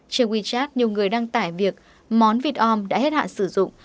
trên wechat nhiều người đăng tải việc món vịt om đã hết hạn sử dụng